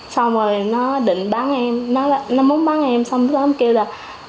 xong rồi nó định bắn em nó muốn bắn em xong lúc đó em kêu là